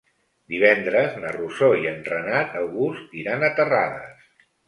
Divendres na Rosó i en Renat August iran a Terrades.